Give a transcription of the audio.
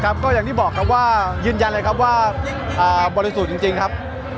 ก็อย่างที่บอกครับว่ายืนยันเลยครับว่าบริสุทธิ์จริงครับ